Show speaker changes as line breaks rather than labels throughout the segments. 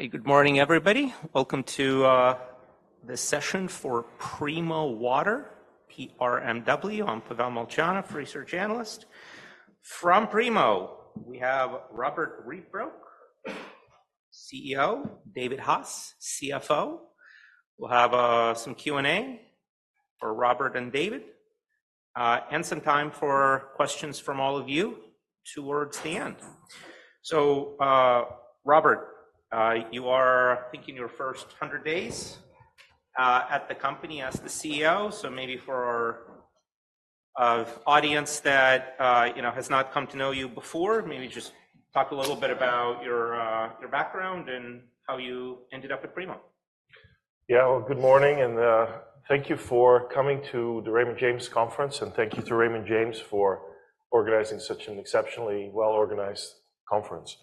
Hey, good morning everybody. Welcome to this session for Primo Water, PRMW. I'm Pavel Molchanov, research analyst. From Primo, we have Robbert Rietbroek, CEO, David Hass, CFO. We'll have some Q&A for Robbert and David, and some time for questions from all of you towards the end. So, Robbert, you are thinking your first 100 days at the company as the CEO, so maybe for our audience that, you know, has not come to know you before, maybe just talk a little bit about your background and how you ended up at Primo.
Yeah, well, good morning, and thank you for coming to the Raymond James Conference, and thank you to Raymond James for organizing such an exceptionally well-organized conference.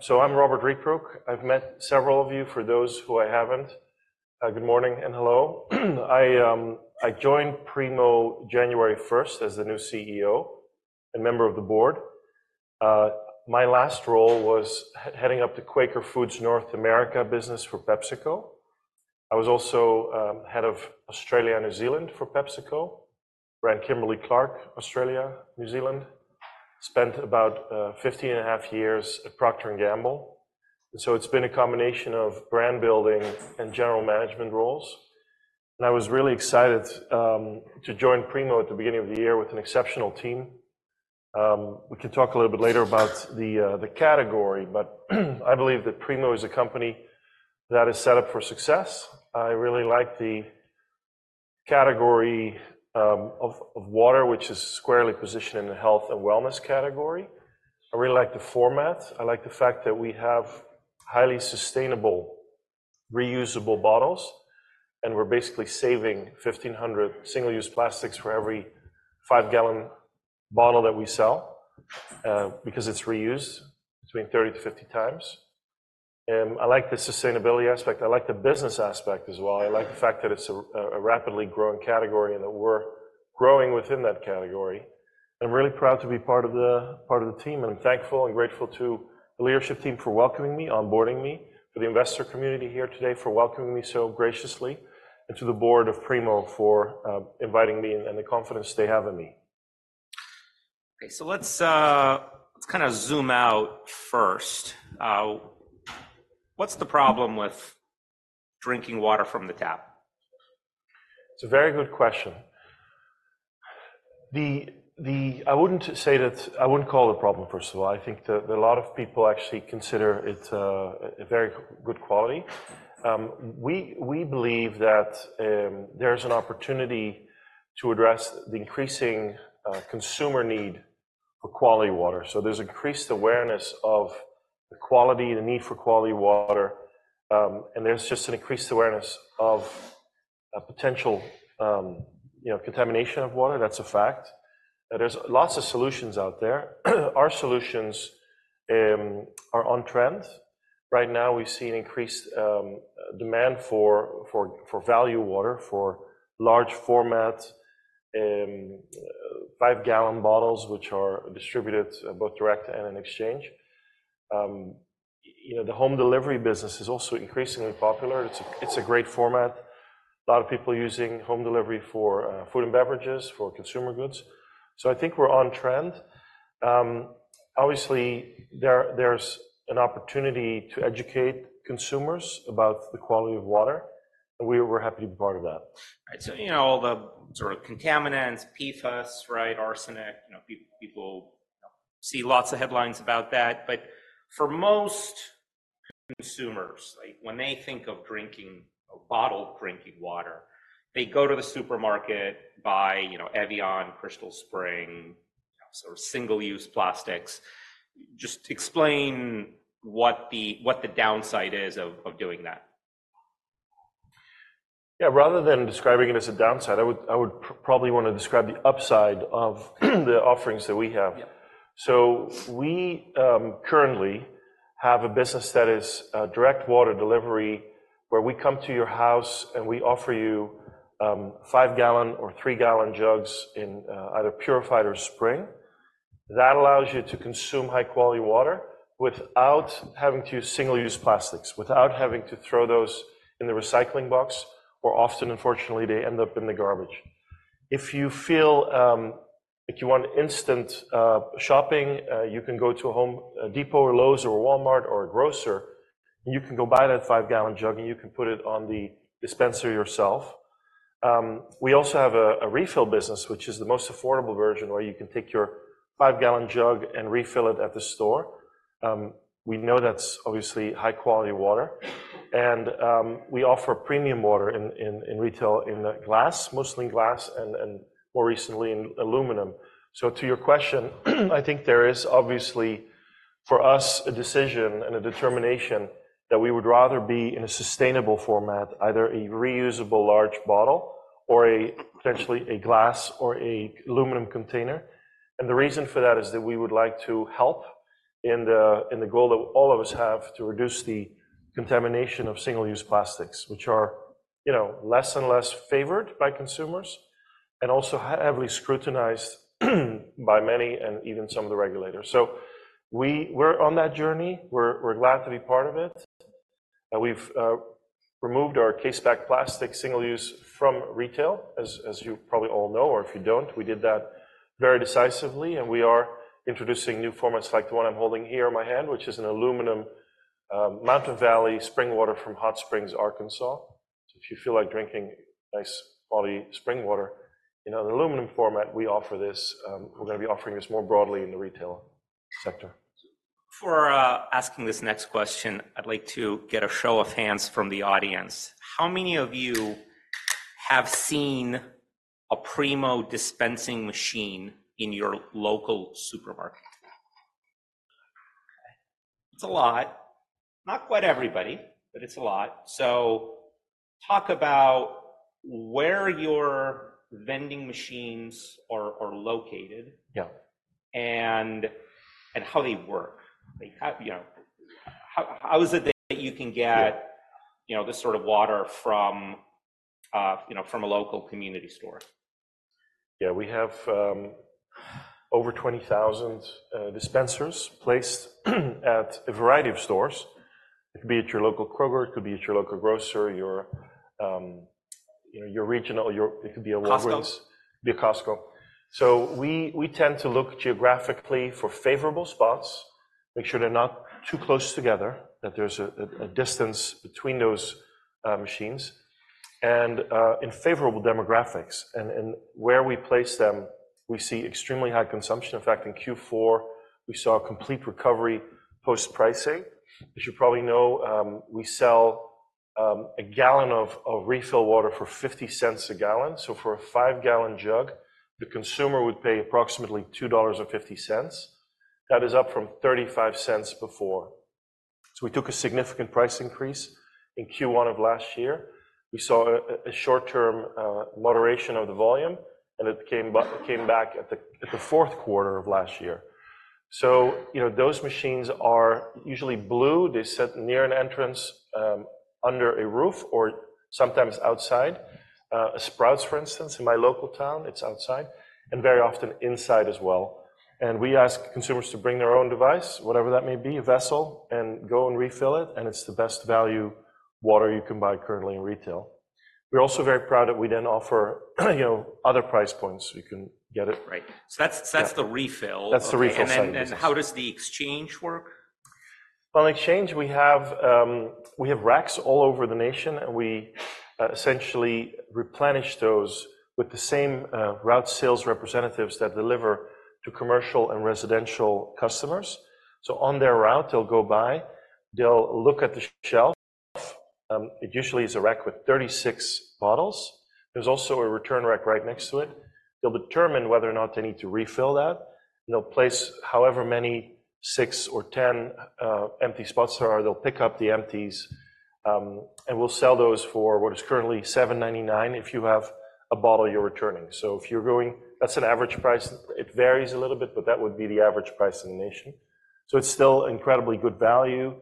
So I'm Robbert Rietbroek. I've met several of you, for those who I haven't, good morning and hello. I joined Primo January 1st as the new CEO and member of the board. My last role was heading up the Quaker Foods North America business for PepsiCo. I was also head of Australia and New Zealand for PepsiCo, ran Kimberly-Clark Australia, New Zealand, spent about 15.5 years at Procter & Gamble. And so it's been a combination of brand building and general management roles. And I was really excited to join Primo at the beginning of the year with an exceptional team. We can talk a little bit later about the, the category, but I believe that Primo is a company that is set up for success. I really like the category, of, of water, which is squarely positioned in the health and wellness category. I really like the format. I like the fact that we have highly sustainable, reusable bottles, and we're basically saving 1,500 single-use plastics for every 5-gallon bottle that we sell, because it's reused between 30-50 times. I like the sustainability aspect. I like the business aspect as well. I like the fact that it's a rapidly growing category and that we're growing within that category. I'm really proud to be part of the team, and I'm thankful and grateful to the leadership team for welcoming me, onboarding me, for the investor community here today for welcoming me so graciously, and to the board of Primo for inviting me and the confidence they have in me.
Okay, so let's, let's kind of zoom out first. What's the problem with drinking water from the tap?
It's a very good question. I wouldn't say that I wouldn't call it a problem, first of all. I think that a lot of people actually consider it a very good quality. We believe that there's an opportunity to address the increasing consumer need for quality water. So there's increased awareness of the quality, the need for quality water, and there's just an increased awareness of a potential, you know, contamination of water. That's a fact. There's lots of solutions out there. Our solutions are on trend. Right now, we see an increased demand for value water, for large formats, 5-gallon bottles, which are distributed both direct and in exchange. You know, the home delivery business is also increasingly popular. It's a great format. A lot of people using home delivery for food and beverages, for consumer goods. I think we're on trend. Obviously, there, there's an opportunity to educate consumers about the quality of water, and we're, we're happy to be part of that.
All right, so, you know, all the sort of contaminants, PFAS, right, arsenic, you know, people, you know, see lots of headlines about that. But for most consumers, like, when they think of drinking, of bottled drinking water, they go to the supermarket, buy, you know, Evian, Crystal Springs, you know, sort of single-use plastics. Just explain what the downside is of doing that.
Yeah, rather than describing it as a downside, I would probably want to describe the upside of the offerings that we have.
Yeah.
So we currently have a business that is direct water delivery, where we come to your house and we offer you 5-gallon or 3-gallon jugs in either purified or spring. That allows you to consume high-quality water without having to use single-use plastics, without having to throw those in the recycling box, or often, unfortunately, they end up in the garbage. If you feel like you want instant shopping, you can go to a Home Depot or Lowe's or Walmart or a grocer, and you can go buy that 5-gallon jug and you can put it on the dispenser yourself. We also have a refill business, which is the most affordable version, where you can take your 5-gallon jug and refill it at the store. We know that's obviously high-quality water. We offer premium water in retail, in glass, mostly in glass and more recently in aluminum. So to your question, I think there is obviously, for us, a decision and a determination that we would rather be in a sustainable format, either a reusable large bottle or potentially a glass or an aluminum container. And the reason for that is that we would like to help in the goal that all of us have to reduce the contamination of single-use plastics, which are, you know, less and less favored by consumers and also heavily scrutinized by many and even some of the regulators. So we're on that journey. We're glad to be part of it. And we've removed our case-packed plastic single-use from retail, as you probably all know, or if you don't, we did that very decisively. We are introducing new formats like the one I'm holding here in my hand, which is an aluminum Mountain Valley Spring Water from Hot Springs, Arkansas. If you feel like drinking nice, quality spring water in an aluminum format, we offer this. We're going to be offering this more broadly in the retail sector.
Before asking this next question, I'd like to get a show of hands from the audience. How many of you have seen a Primo dispensing machine in your local supermarket? Okay. It's a lot. Not quite everybody, but it's a lot. So talk about where your vending machines are located.
Yeah.
How they work? They kind of, you know, how is it that you can get, you know, this sort of water from, you know, from a local community store?
Yeah, we have over 20,000 dispensers placed at a variety of stores. It could be at your local Kroger. It could be at your local grocer, your, you know, your regional, your it could be a Walgreens.
Costco.
It could be a Costco. So we tend to look geographically for favorable spots, make sure they're not too close together, that there's a distance between those machines, and in favorable demographics. And where we place them, we see extremely high consumption. In fact, in Q4, we saw a complete recovery post-pricing. As you probably know, we sell a gallon of refill water for $0.50 a gallon. So for a 5-gallon jug, the consumer would pay approximately $2.50. That is up from $0.35 before. So we took a significant price increase in Q1 of last year. We saw a short-term moderation of the volume, and it came back at the fourth quarter of last year. So, you know, those machines are usually blue. They're set near an entrance, under a roof or sometimes outside. At Sprouts, for instance, in my local town, it's outside and very often inside as well. We ask consumers to bring their own device, whatever that may be, a vessel, and go and refill it, and it's the best value water you can buy currently in retail. We're also very proud that we then offer, you know, other price points so you can get it.
Right. So that's, that's the refill.
That's the refill site.
How does the exchange work?
On exchange, we have racks all over the nation, and we essentially replenish those with the same route sales representatives that deliver to commercial and residential customers. So on their route, they'll go by, they'll look at the shelf. It usually is a rack with 36 bottles. There's also a return rack right next to it. They'll determine whether or not they need to refill that. They'll place however many six or 10 empty spots there are. They'll pick up the empties, and we'll sell those for what is currently $7.99 if you have a bottle you're returning. So if you're going that's an average price. It varies a little bit, but that would be the average price in the nation. So it's still incredibly good value.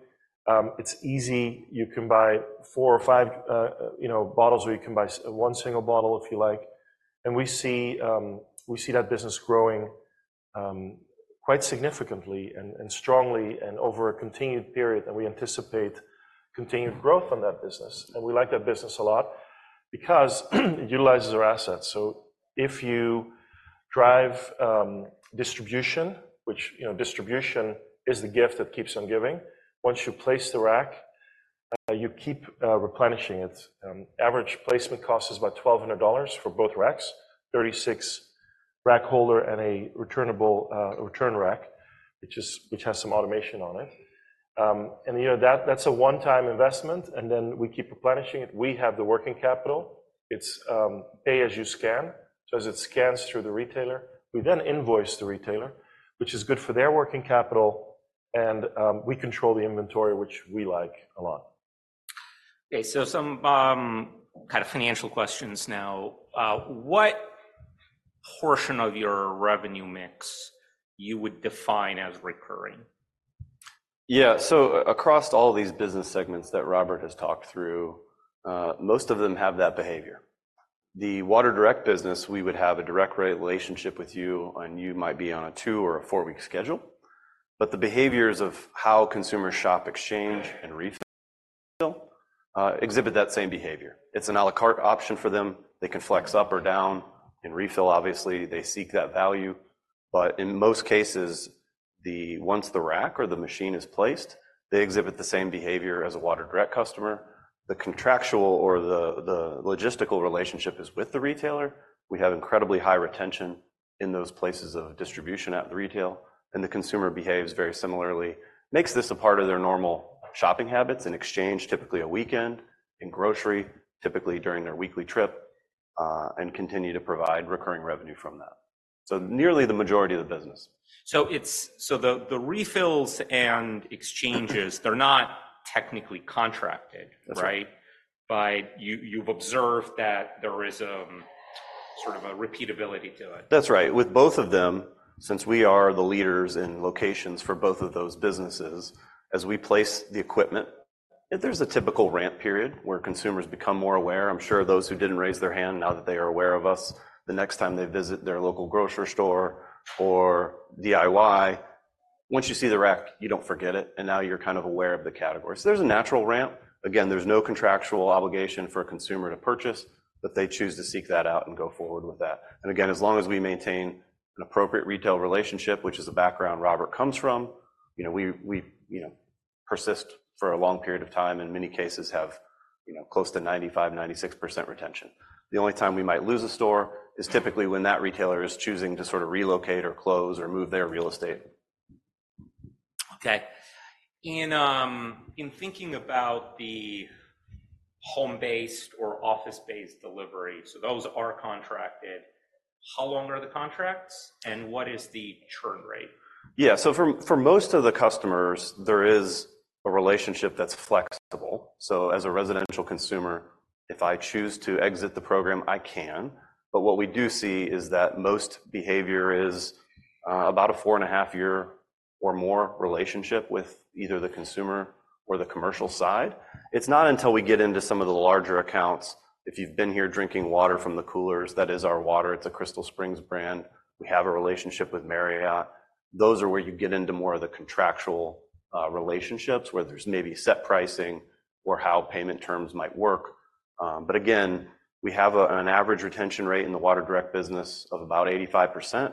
It's easy. You can buy four or five, you know, bottles, or you can buy one single bottle if you like. And we see that business growing quite significantly and strongly over a continued period. And we anticipate continued growth on that business. And we like that business a lot because it utilizes our assets. So if you drive distribution, which, you know, distribution is the gift that keeps on giving, once you place the rack, you keep replenishing it. Average placement cost is about $1,200 for both racks, 36-rack holder and a returnable return rack, which has some automation on it. And, you know, that, that's a one-time investment, and then we keep replenishing it. We have the working capital. It's pay as you scan. So as it scans through the retailer, we then invoice the retailer, which is good for their working capital. And we control the inventory, which we like a lot.
Okay, so some kind of financial questions now. What portion of your revenue mix would you define as recurring?
Yeah, so across all these business segments that Robbert has talked through, most of them have that behavior. The Water Direct business, we would have a direct relationship with you, and you might be on a two or four week schedule. But the behaviors of how consumers shop, exchange, and refill, exhibit that same behavior. It's an à la carte option for them. They can flex up or down in refill, obviously. They seek that value. But in most cases, once the rack or the machine is placed, they exhibit the same behavior as a Water Direct customer. The contractual or the, the logistical relationship is with the retailer. We have incredibly high retention in those places of distribution at the retail, and the consumer behaves very similarly, makes this a part of their normal shopping habits in exchange, typically a weekend, in grocery, typically during their weekly trip, and continue to provide recurring revenue from that. So nearly the majority of the business.
So it's the refills and exchanges, they're not technically contracted, right?
That's right.
But you, you've observed that there is, sort of a repeatability to it.
That's right. With both of them, since we are the leaders in locations for both of those businesses, as we place the equipment, there's a typical ramp period where consumers become more aware. I'm sure those who didn't raise their hand, now that they are aware of us, the next time they visit their local grocery store or DIY, once you see the rack, you don't forget it, and now you're kind of aware of the category. So there's a natural ramp. Again, there's no contractual obligation for a consumer to purchase, but they choose to seek that out and go forward with that. And again, as long as we maintain an appropriate retail relationship, which is the background Robbert comes from, you know, we, you know, persist for a long period of time and in many cases have, you know, close to 95%-96% retention. The only time we might lose a store is typically when that retailer is choosing to sort of relocate or close or move their real estate.
Okay. In thinking about the home-based or office-based delivery, so those are contracted, how long are the contracts, and what is the churn rate?
Yeah, so for most of the customers, there is a relationship that's flexible. So as a residential consumer, if I choose to exit the program, I can. But what we do see is that most behavior is about a 4.5-year or more relationship with either the consumer or the commercial side. It's not until we get into some of the larger accounts, if you've been here drinking water from the coolers, that is our water. It's a Crystal Springs brand. We have a relationship with Marriott. Those are where you get into more of the contractual relationships, where there's maybe set pricing or how payment terms might work. But again, we have an average retention rate in the water direct business of about 85%.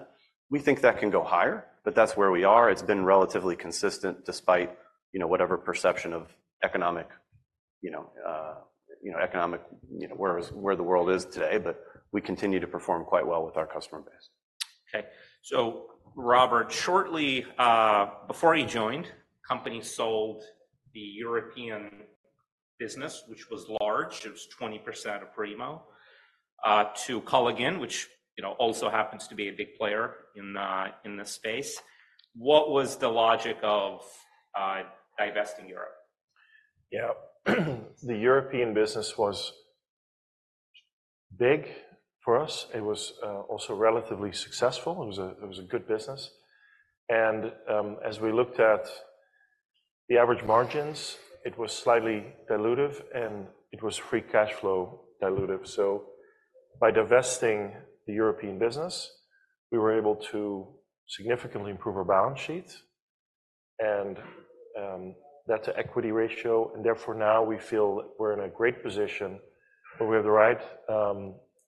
We think that can go higher, but that's where we are. It's been relatively consistent despite, you know, whatever perception of economic, you know, where the world is today. But we continue to perform quite well with our customer base.
Okay. So Robbert, shortly before he joined, the company sold the European business, which was large. It was 20% of Primo, to Culligan, which, you know, also happens to be a big player in this space. What was the logic of divesting Europe?
Yeah. The European business was big for us. It was also relatively successful. It was a good business. As we looked at the average margins, it was slightly dilutive, and it was free cash flow dilutive. So by divesting the European business, we were able to significantly improve our balance sheet. That's an equity ratio. Therefore, now we feel we're in a great position where we have the right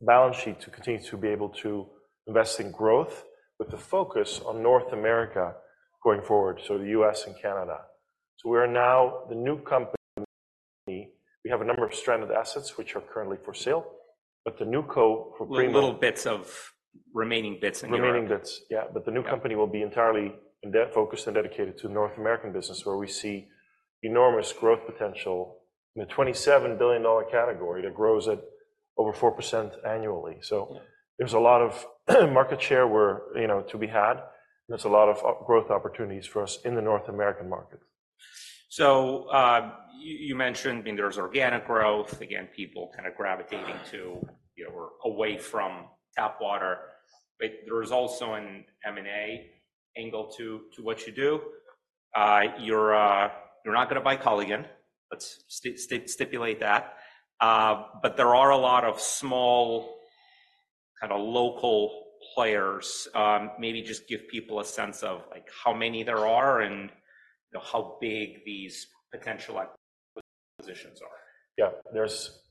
balance sheet to continue to be able to invest in growth with the focus on North America going forward, so the U.S. and Canada. So we are now the new company. We have a number of stranded assets, which are currently for sale, but the NewCo for Primo.
Little bits of remaining bits in Europe.
Remaining bits. Yeah. But the new company will be entirely focused and dedicated to the North American business, where we see enormous growth potential in the $27 billion category that grows at over 4% annually. So there's a lot of market share where, you know, to be had. And there's a lot of growth opportunities for us in the North American markets.
So, you mentioned, I mean, there's organic growth, again, people kind of gravitating to, you know, or away from tap water. But there is also an M&A angle to what you do. You're not going to buy Culligan. Let's stipulate that. But there are a lot of small kind of local players. Maybe just give people a sense of, like, how many there are and, you know, how big these potential acquisitions are?
Yeah. There's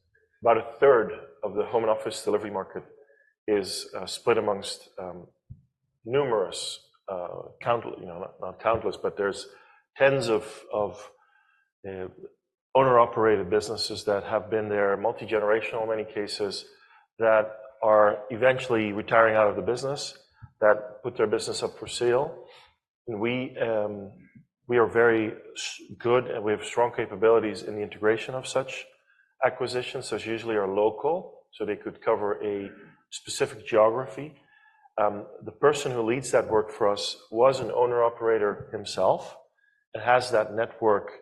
about a 1/3 of the home and office delivery market is split amongst numerous, ,you know, not countless, but there's tens of owner-operated businesses that have been there multi-generational in many cases that are eventually retiring out of the business, that put their business up for sale. And we are very good, and we have strong capabilities in the integration of such acquisitions. So it's usually our local, so they could cover a specific geography. The person who leads that work for us was an owner-operator himself and has that network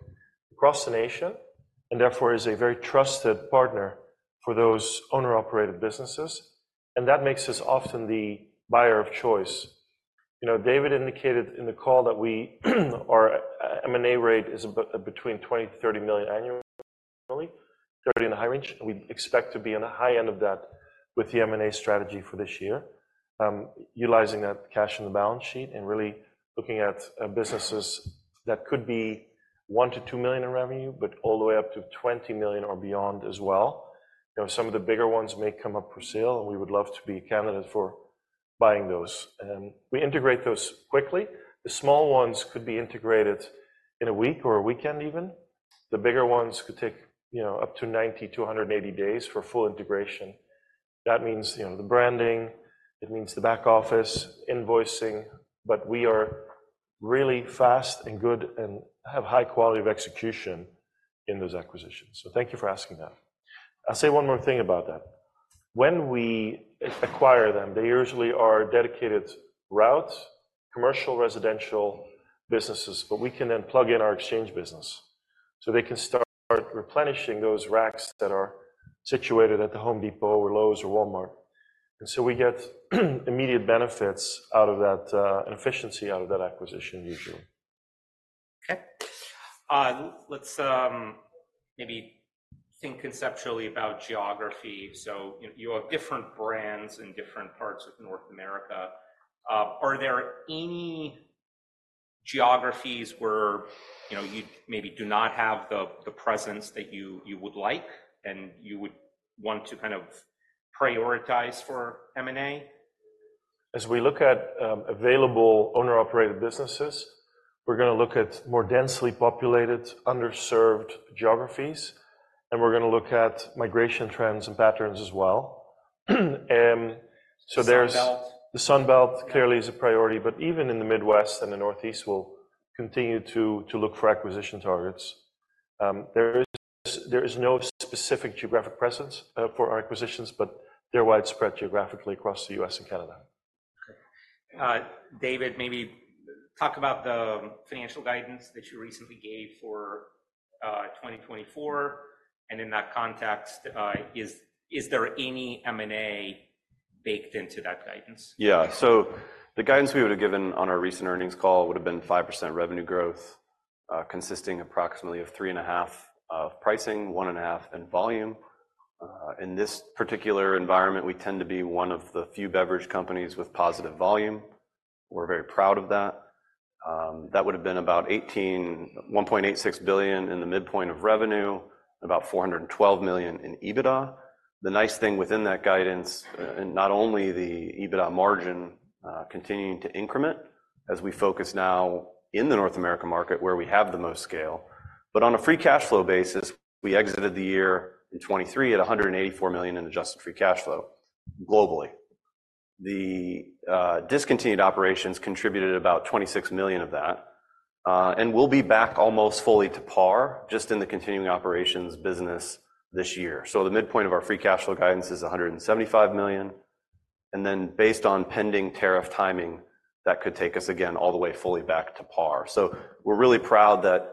across the nation and therefore is a very trusted partner for those owner-operated businesses. And that makes us often the buyer of choice. You know, David indicated in the call that our M&A rate is between $20million-$30 million annually, $30 million in the high range. We expect to be on the high end of that with the M&A strategy for this year, utilizing that cash in the balance sheet and really looking at businesses that could be $1 million-$2 million in revenue but all the way up to $20 million or beyond as well. You know, some of the bigger ones may come up for sale, and we would love to be a candidate for buying those. And we integrate those quickly. The small ones could be integrated in a week or a weekend even. The bigger ones could take, you know, up to 90-280 days for full integration. That means, you know, the branding. It means the back office, invoicing. But we are really fast and good and have high quality of execution in those acquisitions. So thank you for asking that. I'll say one more thing about that. When we acquire them, they usually are dedicated routes, commercial, residential businesses, but we can then plug in our exchange business so they can start replenishing those racks that are situated at The Home Depot or Lowe's or Walmart. And so we get immediate benefits out of that, and efficiency out of that acquisition usually.
Okay. Let's maybe think conceptually about geography. So, you know, you have different brands in different parts of North America. Are there any geographies where, you know, you maybe do not have the presence that you would like and you would want to kind of prioritize for M&A?
As we look at available owner-operated businesses, we're going to look at more densely populated, underserved geographies, and we're going to look at migration trends and patterns as well. So there's.
Sunbelt?
The Sunbelt clearly is a priority, but even in the Midwest and the Northeast, we'll continue to look for acquisition targets. There is no specific geographic presence for our acquisitions, but they're widespread geographically across the U.S. and Canada.
Okay. David, maybe talk about the financial guidance that you recently gave for 2024. And in that context, is there any M&A baked into that guidance?
Yeah. So the guidance we would have given on our recent earnings call would have been 5% revenue growth, consisting approximately of 3.5 of pricing, 1.5 in volume. In this particular environment, we tend to be one of the few beverage companies with positive volume. We're very proud of that. That would have been about [18] $1.86 billion in the midpoint of revenue, about $412 million in EBITDA. The nice thing within that guidance, and not only the EBITDA margin, continuing to increment as we focus now in the North American market where we have the most scale, but on a free cash flow basis, we exited the year in 2023 at $184 million in adjusted free cash flow globally. The discontinued operations contributed about $26 million of that, and we'll be back almost fully to par just in the continuing operations business this year. So the midpoint of our free cash flow guidance is $175 million. And then based on pending tariff timing, that could take us again all the way fully back to par. So we're really proud that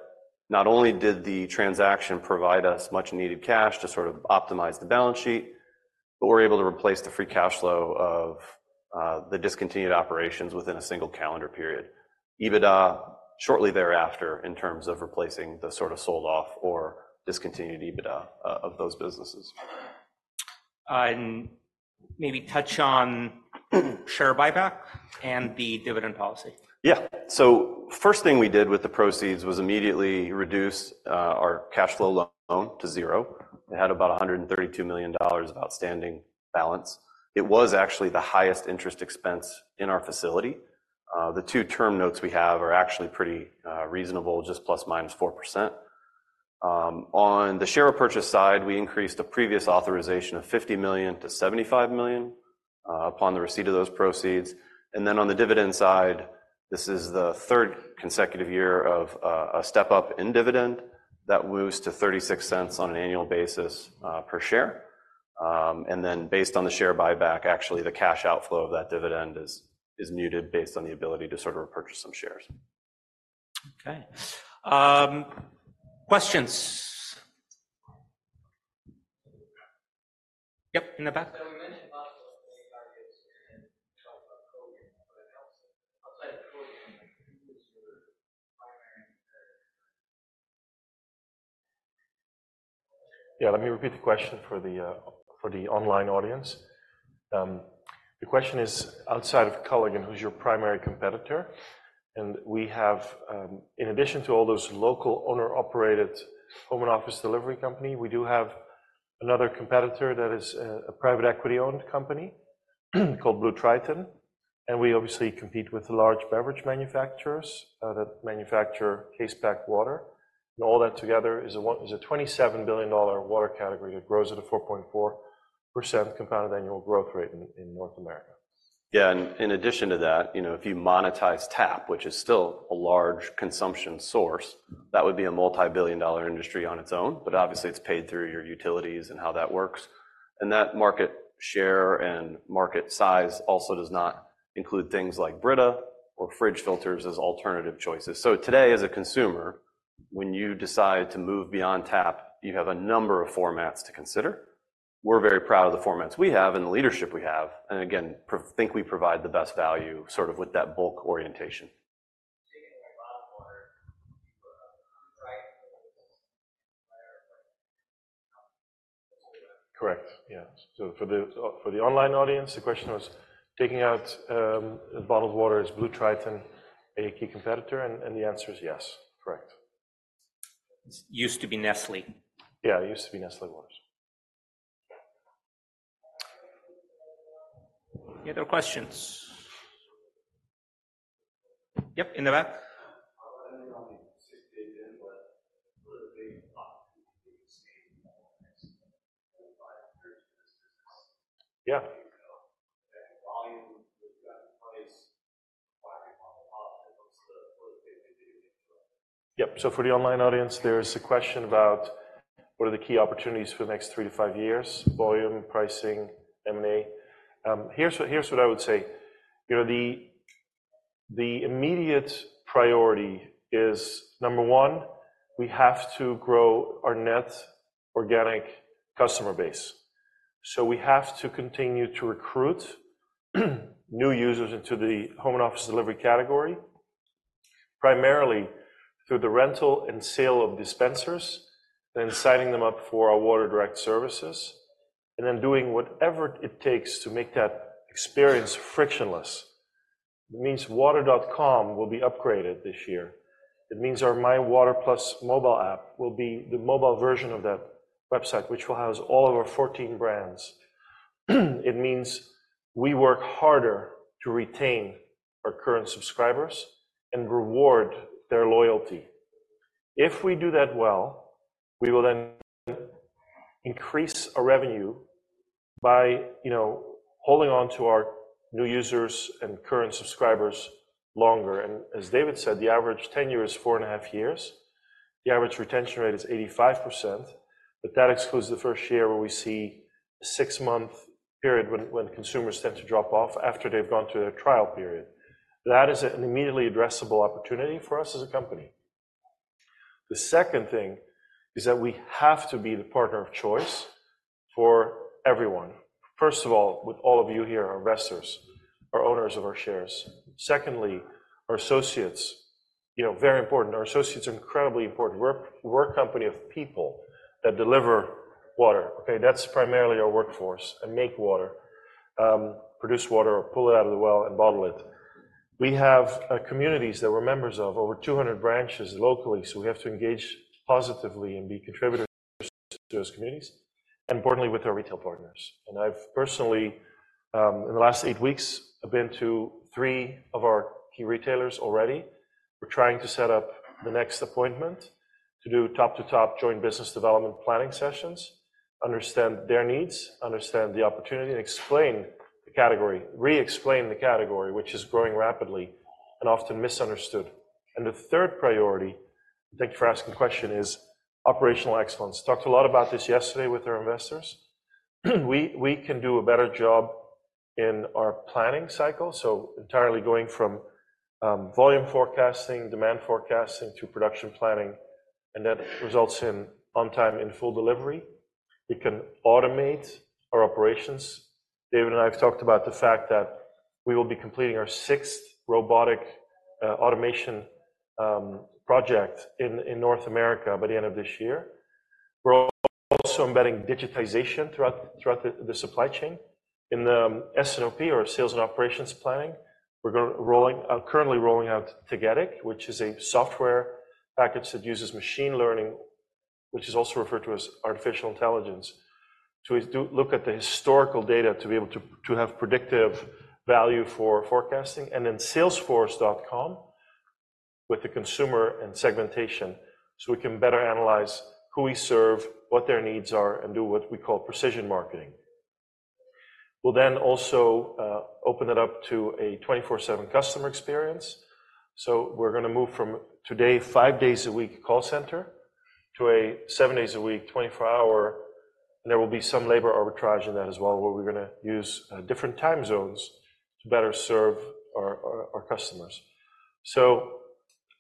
not only did the transaction provide us much needed cash to sort of optimize the balance sheet, but we're able to replace the free cash flow of the discontinued operations within a single calendar period, EBITDA shortly thereafter in terms of replacing the sort of sold-off or discontinued EBITDA of those businesses.
And maybe touch on share buyback and the dividend policy.
Yeah. So first thing we did with the proceeds was immediately reduce our cash flow loan to zero. It had about $132 million of outstanding balance. It was actually the highest interest expense in our facility. The two term notes we have are actually pretty reasonable, just ±4%. On the share repurchase side, we increased a previous authorization of $50 million to $75 million, upon the receipt of those proceeds. And then on the dividend side, this is the third consecutive year of a step-up in dividend that moves to $0.36 on an annual basis, per share. And then based on the share buyback, actually, the cash outflow of that dividend is muted based on the ability to sort of repurchase some shares.
Okay. Questions? Yep, in the back.
So we mentioned lots of those big targets in and talked about COVID, but it helps outside of COVID, who is your primary competitor?
Yeah. Let me repeat the question for the, for the online audience. The question is, outside of Culligan, who's your primary competitor? And we have, in addition to all those local owner-operated home and office delivery company, we do have another competitor that is a private equity-owned company called BlueTriton. And we obviously compete with the large beverage manufacturers that manufacture case-packed water. And all that together is a $27 billion water category that grows at a 4.4% compounded annual growth rate in North America.
Yeah. In addition to that, you know, if you monetize tap, which is still a large consumption source, that would be a multi-billion-dollar industry on its own. But obviously, it's paid through your utilities and how that works. That market share and market size also does not include things like Brita or fridge filters as alternative choices. So today, as a consumer, when you decide to move beyond tap, you have a number of formats to consider. We're very proud of the formats we have and the leadership we have. Again, think we provide the best value sort of with that bulk orientation.
Correct. Yeah. So for the online audience, the question was, taking out bottled water, is BlueTriton a key competitor? And the answer is yes. Correct.
Used to be Nestlé.
Yeah. It used to be Nestlé Waters.
Any other questions? Yep, in the back.
How about anyone who's six days in, but really big thought to continue to stay in the next 35, 30 minutes business?
Yeah.
Volume, we've got employees requiring bottled water. What's the, what are the big things that you're going to look at?
Yep. So for the online audience, there's a question about what are the key opportunities for the next three to five years, volume, pricing, M&A. Here's what I would say. You know, the immediate priority is, number one, we have to grow our net organic customer base. So we have to continue to recruit new users into the home and office delivery category, primarily through the rental and sale of dispensers and then signing them up for our Water Direct services and then doing whatever it takes to make that experience frictionless. It means Water.com will be upgraded this year. It means our My Water+ mobile app will be the mobile version of that website, which will house all of our 14 brands. It means we work harder to retain our current subscribers and reward their loyalty. If we do that well, we will then increase our revenue by, you know, holding onto our new users and current subscribers longer. And as David said, the average tenure is 4.5 years. The average retention rate is 85%. But that excludes the first year where we see a six-month period when consumers tend to drop off after they've gone through their trial period. That is an immediately addressable opportunity for us as a company. The second thing is that we have to be the partner of choice for everyone. First of all, with all of you here, our investors, our owners of our shares. Secondly, our associates, you know, very important. Our associates are incredibly important. We're a company of people that deliver water. Okay? That's primarily our workforce and make water, produce water or pull it out of the well and bottle it. We have communities that we're members of, over 200 branches locally. So we have to engage positively and be contributors to those communities, and importantly, with our retail partners. And I've personally, in the last eight weeks, been to three of our key retailers already. We're trying to set up the next appointment to do top-to-top joint business development planning sessions, understand their needs, understand the opportunity, and explain the category, re-explain the category, which is growing rapidly and often misunderstood. And the third priority, thank you for asking the question, is operational excellence. Talked a lot about this yesterday with our investors. We can do a better job in our planning cycle, so entirely going from volume forecasting, demand forecasting, to production planning, and that results in on-time, in full delivery. It can automate our operations. David and I have talked about the fact that we will be completing our sixth robotic automation project in North America by the end of this year. We're also embedding digitization throughout the supply chain. In the S&OP or Sales and Operations Planning, we're currently rolling out Tagetik, which is a software package that uses machine learning, which is also referred to as artificial intelligence, to look at the historical data to have predictive value for forecasting and then Salesforce.com with the consumer and segmentation so we can better analyze who we serve, what their needs are, and do what we call precision marketing. We'll then also open it up to a 24/7 customer experience. So we're going to move from today, five days a week call center, to a seven days a week, 24-hour. And there will be some labor arbitrage in that as well where we're going to use different time zones to better serve our customers. So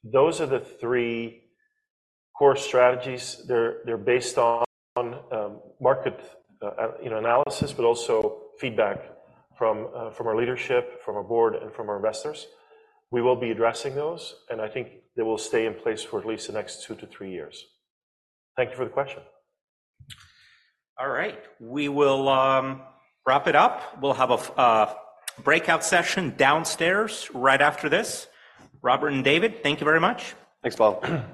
those are the three core strategies. They're based on market, you know, analysis, but also feedback from our leadership, from our board, and from our investors. We will be addressing those, and I think they will stay in place for at least the next 2-3 years. Thank you for the question.
All right. We will wrap it up. We'll have a breakout session downstairs right after this. Robbert and David, thank you very much.
Thanks, Pavel.